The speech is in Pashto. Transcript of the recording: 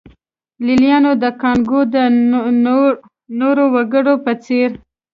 لېلیانو د کانګو د نورو وګړو په څېر.